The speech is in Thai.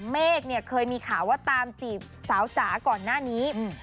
เมฆเนี่ยเคยมีข่าวว่าตามจีบสาวจ๋าก่อนหน้านี้